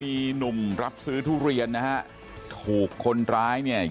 มีหนุ่มรับซื้อทุเรียนนะฮะถูกคนร้ายเนี่ย